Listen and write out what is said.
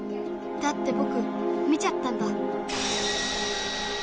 だってぼく見ちゃったんだ。